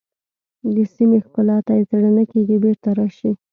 د سیمې ښکلا ته یې زړه نه کېږي بېرته راشئ.